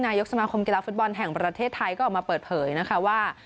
นายกสมาคมกีฬาฟุตบอลแห่งประเทศไทยก็ออกมาเปิดเผยนะคะว่า